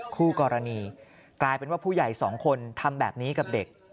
คู่กรณีกลายเป็นว่าผู้ใหญ่สองคนทำแบบนี้กับเด็ก